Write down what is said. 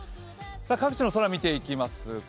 各地の空を見ていきます。